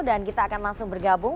dan kita akan langsung bergabung